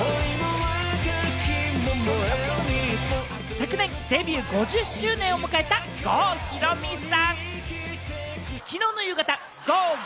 昨年、デビュー５０周年を迎えた郷ひろみさん。